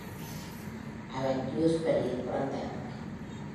அவர் டியூஸ்பரியில் பிறந்தார்.